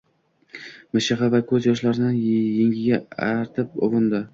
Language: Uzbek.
mishig’i va ko’z yoshlarini yengiga artib, ovundi.